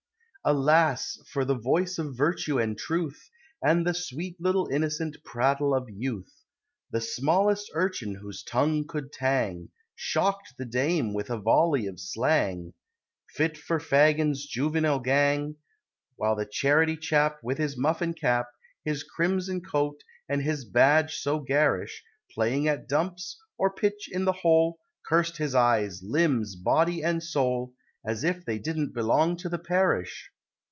Alas! for the Voice of Virtue and Truth, And the sweet little innocent prattle of Youth! The smallest urchin whose tongue could tang, Shock'd the Dame with a volley of slang, Fit for Fagin's juvenile gang; While the charity chap, With his muffin cap, His crimson coat, and his badge so garish, Playing at dumps, or pitch in the hole, Cursed his eyes, limbs, body, and soul, As if they didn't belong to the Parish!